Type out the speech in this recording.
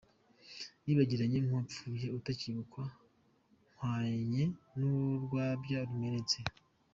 Nibagiranye nk’uwapfuye utacyibukwa, Mpwanye n’urwabya rumenetse.